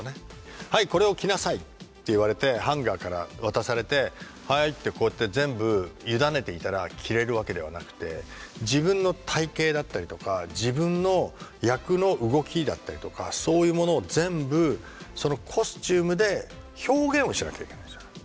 「はいこれを着なさい」って言われてハンガーから渡されて「はい」ってこうやって全部委ねていたら着れるわけではなくて自分の体形だったりとか自分の役の動きだったりとかそういうものを全部そのコスチュームで表現をしなきゃいけないじゃない。